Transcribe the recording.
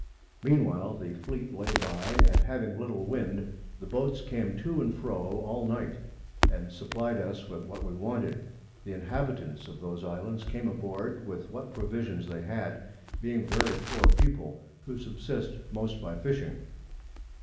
Mean while the Fleet lay by, and having little Wind, the Boats came to and fro all Night, and supply'd us with what we wanted. The Inhabitants of those Islands came aboard with what Provisions they had, being very poor People, who subsist most by Fishing.